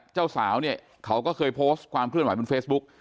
เจ้าสาวเนี่ยเขาก็เคยโพสต์ความเคลื่อนไหบนเฟซบุ๊ก